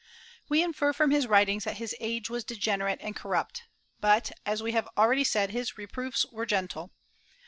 We infer from his writings that his age was degenerate and corrupt, but, as we have already said, his reproofs were gentle.